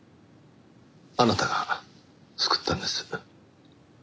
あなたが救ったんです。